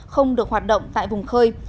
không được hoạt động tại vùng khơi